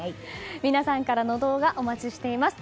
皆さんからの動画お待ちしています。